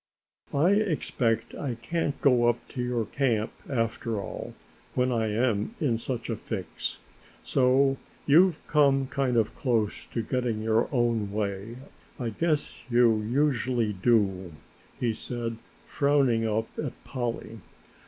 "I expect I can't go up to your camp, after all, when I am in such a fix, so you've come kind of close to getting your own way. I guess you, usually do!" he said, frowning up at Polly.